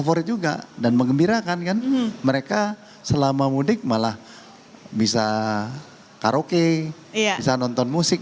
nah itu gimana tuh pak